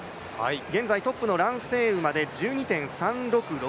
現在トップの蘭星宇まで１２．３６６